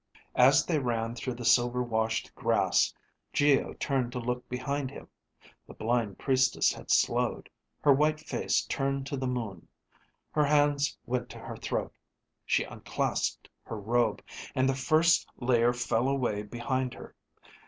As they ran through the silver washed grass, Geo turned to look behind him. The blind Priestess had slowed, her white face turned to the moon. Her hands went to her throat, she unclasped her robe, and the first layer fell away behind her.